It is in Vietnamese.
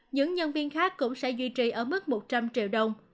những nhân viên khác cũng sẽ duy trì ở mức một trăm linh triệu đồng